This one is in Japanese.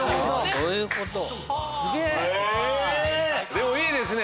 でもいいですね！